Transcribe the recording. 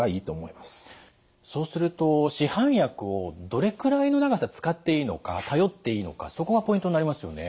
そうすると市販薬をどれくらいの長さ使っていいのか頼っていいのかそこがポイントになりますよね。